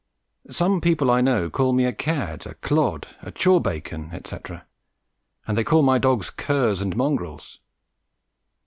Some people I know call me a cad, a clod, a chaw bacon, etc., and they call my dogs curs and mongrels.